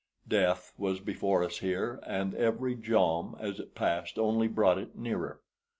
Death was before us here, and every jom as it passed only brought it nearer.